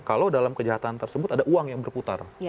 kalau dalam kejahatan tersebut ada uang yang berputar